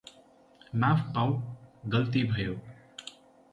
माफ पाउँ, गल्ती भयो।